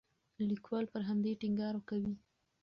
لیکوال پر همدې ټینګار کوي.